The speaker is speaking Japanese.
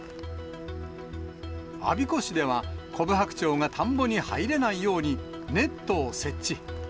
我孫子市では、コブハクチョウが田んぼに入れないように、ネットを設置。